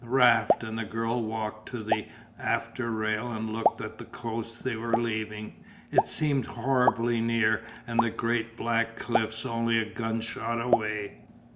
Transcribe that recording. Raft and the girl walked to the after rail and looked at the coast they were leaving; it seemed horribly near and the great black cliffs only a gunshot away.